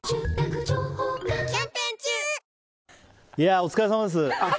お疲れさまです。